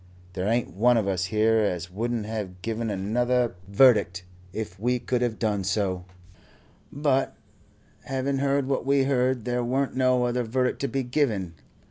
There ain't one of us here as wouldn't have given another verdict if we could have done so, but having heard what we heard there weren't no other verdict to be given.